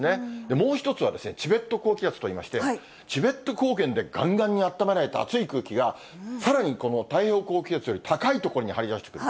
もう１つはですね、チベット高気圧といいまして、チベット高原でがんがんに暖められた熱い空気が、さらにこの太平洋高気圧より高い所に張り出してくる。